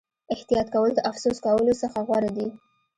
احتیاط کول د افسوس کولو څخه غوره دي.